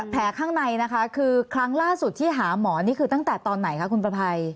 ข้างในนะคะคือครั้งล่าสุดที่หาหมอนี่คือตั้งแต่ตอนไหนคะคุณประภัย